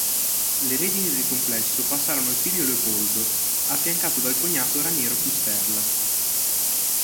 Le redini del complesso passarono al figlio Leopoldo, affiancato dal cognato Raniero Pusterla.